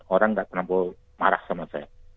orang gak kenapa marah sama saya